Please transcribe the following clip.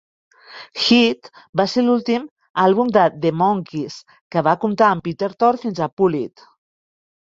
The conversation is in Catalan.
"Head" va ser l'últim àlbum de The Monkees que va comptar amb Peter Tork fins a "Pool It!"